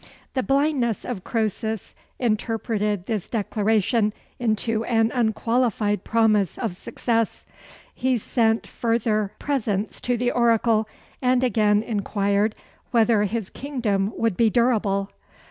The blindness of Croesus interpreted this declaration into an unqualified promise of success: he sent further presents to the oracle, and again inquired whether his kingdom would be durable.